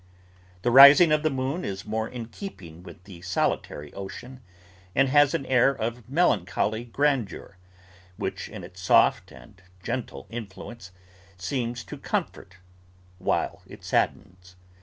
The rising of the moon is more in keeping with the solitary ocean; and has an air of melancholy grandeur, which in its soft and gentle influence, seems to comfort while it saddens.